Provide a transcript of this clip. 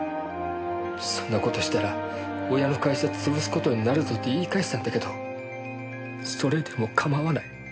そんな事したら親の会社潰す事になるぞって言い返したんだけどそれでも構わない。